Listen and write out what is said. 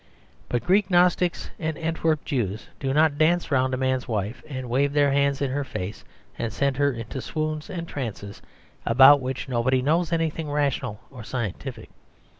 But Greek Gnostics and Antwerp Jews do not dance round a man's wife and wave their hands in her face and send her into swoons and trances about which nobody knows anything rational or scientific.